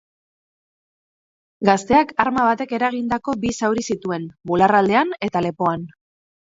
Gazteak arma batek eragindako bi zauri zituen, bularraldean eta lepoan.